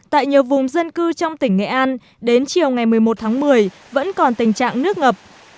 tại nhiều vùng dân cư trong tỉnh nghệ an đến chiều ngày một mươi một tháng một mươi vẫn còn tình trạng nước ngập